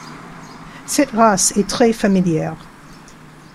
Cette race est très familière.